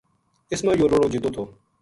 اس ما یوہ لڑو جِتو تھو